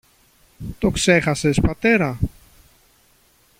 Το ξέχασες, πατέρα;